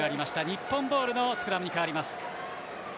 日本ボールのスクラムに変わります。